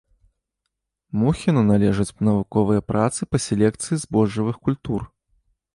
Мухіну належаць навуковыя працы па селекцыі збожжавых культур.